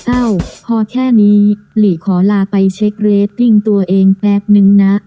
เอ้าพอแค่นี้หลีขอลาไปเช็คเรตติ้งตัวเองแป๊บนึงนะ